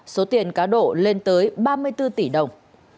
số tiền cá độ lên tới ba mươi bốn tỷ đồng